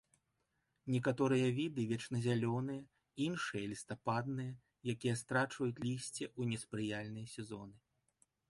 Некаторыя віды вечназялёныя, іншыя лістападныя, якія страчваюць лісце ў неспрыяльныя сезоны.